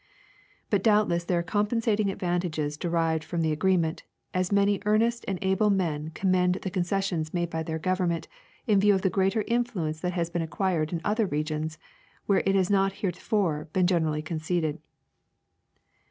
But doubtless there are compensating advantages de rived from the agreement, as many earnest and able men com mend the concessions made by their government in view of the greater influence that has been acquired in other regions Avhere it has not heretofore been generally conceded.